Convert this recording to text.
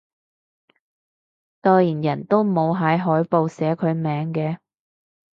代言人都冇喺海報寫佢名嘅？